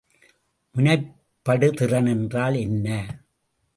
முனைப்படுதிறன் என்றால் என்ன?